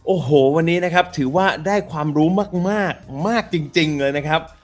โอ้โหวันนี้นะครับถือว่าได้ความรู้มากมากจริงเลยนะครับ